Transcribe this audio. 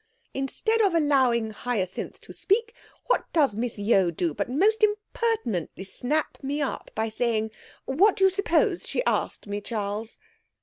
Instead of allowing Hyacinth to speak, what does Miss Yeo do but most impertinently snap me up by saying what do you suppose she asked me, Charles?'